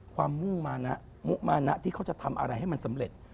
มุ่งมานะมุมานะที่เขาจะทำอะไรให้มันสำเร็จ